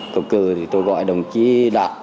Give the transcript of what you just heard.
cổng cửa tôi gọi đồng chí đạt